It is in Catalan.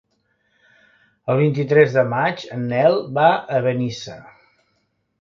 El vint-i-tres de maig en Nel va a Benissa.